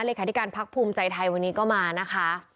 เลขาธิการภักดิ์ภูมิใจไทยวันนี้ก็มานะคะ